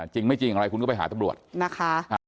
จริงไม่จริงอะไรคุณก็ไปหาตำรวจนะคะ